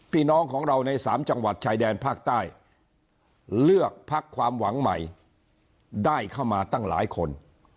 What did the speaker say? พี่น้องของเราในสามจังหวัดชายแดนภาคใต้เลือกพักความหวังใหม่ได้เข้ามาตั้งหลายคน